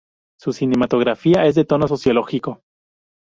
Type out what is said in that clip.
Su cinematografía es de tono sociológico.